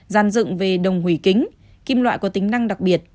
gian dựng về đồng hủy kính kim loại có tính năng đặc biệt